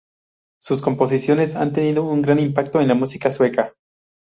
Sus composiciones han tenido un gran impacto en la música sueca.